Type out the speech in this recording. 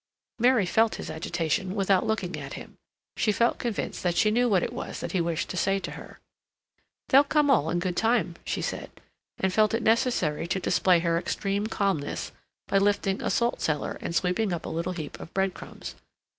Mary felt his agitation without looking at him; she felt convinced that she knew what it was that he wished to say to her. "They'll come all in good time," she said; and felt it necessary to display her extreme calmness by lifting a salt cellar and sweeping up a little heap of bread crumbs.